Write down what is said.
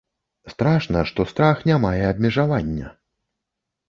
Страшна, што страх не мае абмежавання.